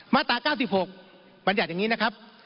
มาตรา๙๖บรรยัติอย่างนี้นะครับ